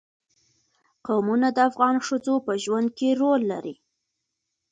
قومونه د افغان ښځو په ژوند کې رول لري.